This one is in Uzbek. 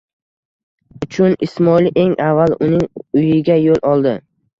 Uchun Ismoil eng avval uning uyiga yo'l oldi.